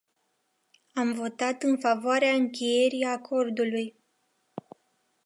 Am votat în favoarea încheierii acordului.